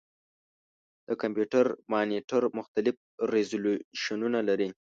د کمپیوټر مانیټر مختلف ریزولوشنونه لري.